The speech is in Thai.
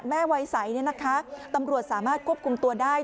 แม่วัยไสตำรวจสามารถควบคุมตัวได้